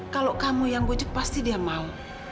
kalau kamu yang bujuk pasti dia mau